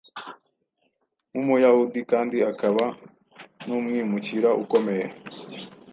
Nk’Umuyahudi kandi akaba n’umwimukira, ukomeye